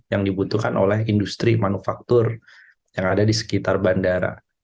yang dibutuhkan oleh industri manufaktur yang ada di sekitar bandara